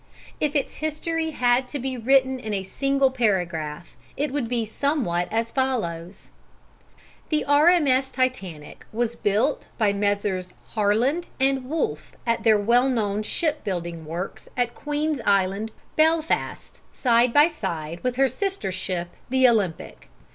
If its history had to be written in a single paragraph it would be somewhat as follows: "The R.M.S. Titanic was built by Messrs. Harland & Wolff at their well known ship building works at Queen's Island, Belfast, side by side with her sister ship the Olympic.